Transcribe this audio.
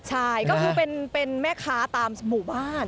ใช่ก็คือเป็นแม่ค้าตามหมู่บ้าน